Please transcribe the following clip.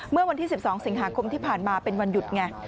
เมื่อวันที่๑๒สิงหาคมที่ผ่านมาเป็นวันหยุดไง